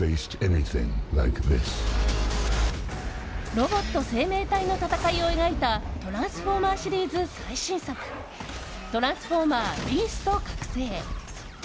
ロボット生命体の戦いを描いた「トランスフォーマー」シリーズ最新作「トランスフォーマー／ビースト覚醒」。